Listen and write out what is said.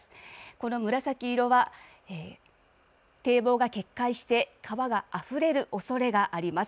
この紫色は堤防が決壊して川があふれるおそれがあります。